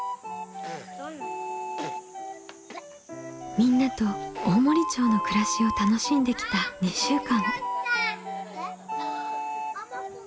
みんなと大森町の暮らしを楽しんできた２週間。